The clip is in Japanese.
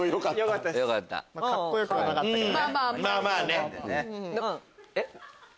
カッコよくはなかったけどね。